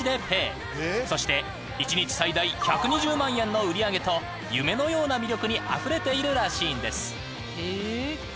［そして１日最大１２０万円の売り上げと夢のような魅力にあふれているらしいんです］